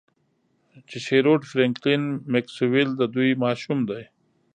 چې شیروډ فرینکلین میکسویل د دوی ماشوم دی